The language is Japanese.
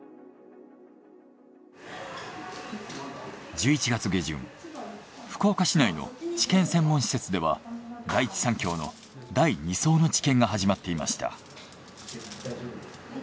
１１月下旬福岡市内の治験専門施設では第一三共の第２相の治験が始まっていました。